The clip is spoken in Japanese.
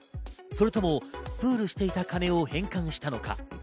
それともプールしていた金を返還したのか。